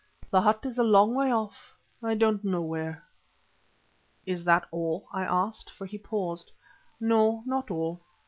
The hut is a long way off, I don't know where." "Is that all?" I asked, for he paused. "No, not all.